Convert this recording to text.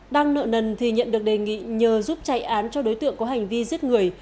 đang nợ nần thì nhận được đề nghị nhờ giúp chạy án cho đối tượng có hành vi giết người